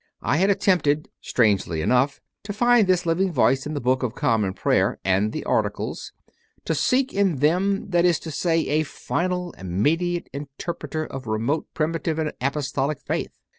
I had at tempted, strangely enough, to find this Living CONFESSIONS OF A CONVERT 73 Voice in the Book of Common Prayer and the Articles to seek in them, that is to say, a final immediate interpreter of remote Primitive and Apostolic Faith.